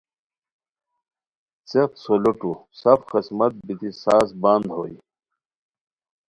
څیق سو لوٹو سف خذمت بیتی ساز بند ہوئے